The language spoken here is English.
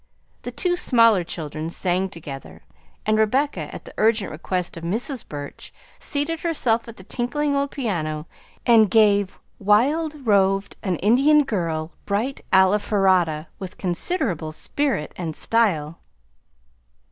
The two smaller children sang together, and Rebecca, at the urgent request of Mrs. Burch, seated herself at the tinkling old piano and gave "Wild roved an Indian girl, bright Alfarata" with considerable spirit and style.